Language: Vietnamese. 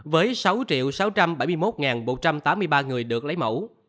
với sáu sáu trăm bảy mươi một một trăm tám mươi ba người được lấy mẫu